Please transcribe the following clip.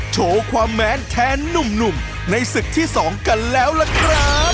โชว์ความแม้นแทนหนุ่มในศึกที่๒กันแล้วล่ะครับ